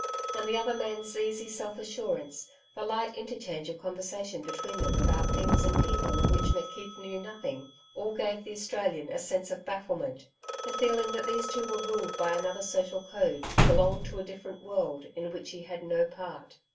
And the other man's easy self assurance, the light interchange of conversation between them about things and people of which McKeith knew nothing all gave the Australian a sense of bafflement the feeling that these two were ruled by another social code, belonged to a different world, in which he had no part.